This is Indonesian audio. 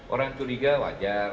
orang curiga wajar